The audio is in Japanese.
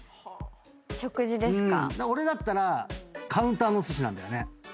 俺だったらカウンターのお寿司なんだよね。